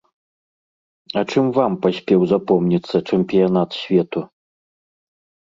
А чым вам паспеў запомніцца чэмпіянат свету?